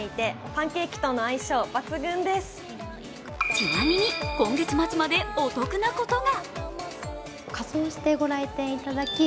ちなみに、今月末までお得なことが。